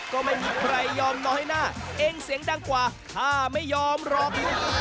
ก็ไม่มีใครยอมน้อยหน้าเองเสียงดังกว่าถ้าไม่ยอมหรอก